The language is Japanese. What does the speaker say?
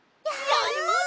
やります！